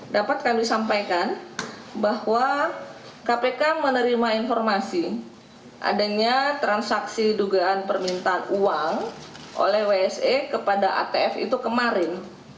dapat kami sampaikan bahwa kpk menerima informasi adanya transaksi dugaan permintaan uang oleh wse kepada atf itu kemarin